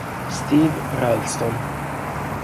Steve Ralston